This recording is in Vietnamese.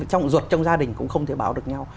rột trong gia đình cũng không thể bảo được nhau